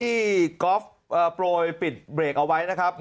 กอล์ฟโปรยปิดเบรกเอาไว้นะครับ